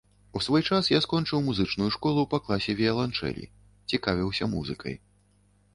У свой час я скончыў музычную школу па класе віяланчэлі, цікавіўся музыкай.